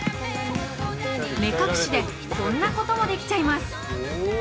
目隠しで、こんなこともできちゃいます。